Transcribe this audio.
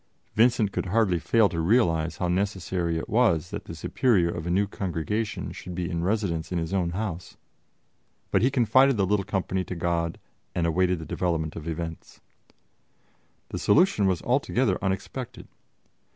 Vincent could hardly fail to realize how necessary it was that the superior of a new Congregation should be in residence in his own house, but he confided the little company to God and awaited the development of events. The solution was altogether unexpected.